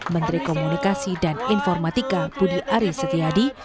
menteri komunikasi dan informatika budi aris setiadi